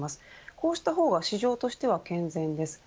こうした方が市場としては健全です。